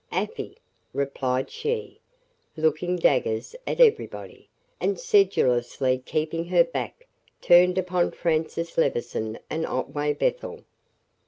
"Afy," replied she, looking daggers at everybody, and sedulously keeping her back turned upon Francis Levison and Otway Bethel.